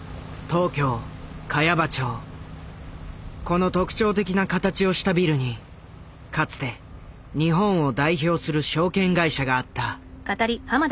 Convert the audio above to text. この特徴的な形をしたビルにかつて日本を代表する証券会社があった。